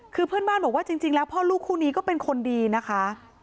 คือเพื่อนบ้านบอกว่าจริงแล้วพ่อลูกคู่นี้ก็เป็นคนดีนะคะ